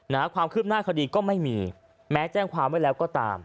ความคืบหน้าคดีก็ไม่มีแม้แจ้งความไว้แล้วก็ตาม